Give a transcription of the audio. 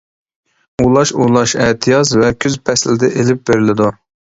ئۇلاش ئۇلاش ئەتىياز ۋە كۈز پەسلىدە ئېلىپ بېرىلىدۇ.